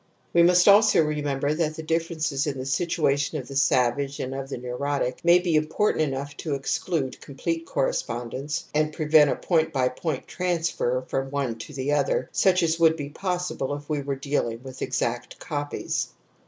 We must also remember that the differences in the situation of the savage and of the neurotic may be important enough to exclude complete correspondence and prevent a point by point transfer from one to the other such as would be possible if we were dealing with exact copies.